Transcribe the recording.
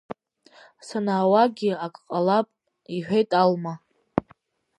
Санаауагьы ак ҟалап, – иҳәеит Алма.